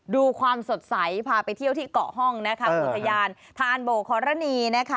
ดูความสดใสพาไปเที่ยวที่เกาะห้องนะคะอุทยานทานโบคอรณีนะคะ